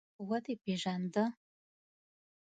_ودې پېژانده؟